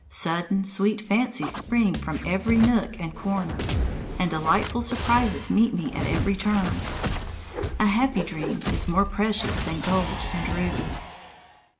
Sudden, sweet fancies spring forth from every nook and corner, and delightful surprises meet me at every turn. A happy dream is more precious than gold and rubies.